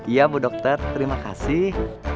iya bu dokter terima kasih